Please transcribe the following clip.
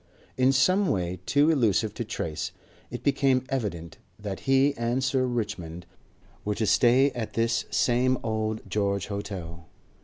In some way too elusive to trace, it became evident that he and Sir Richmond were to stay at this same Old George Hotel.